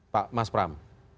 pak mas pram